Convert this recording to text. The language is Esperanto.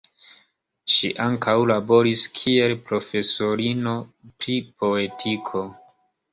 Ŝi ankaŭ laboris kiel profesorino pri poetiko.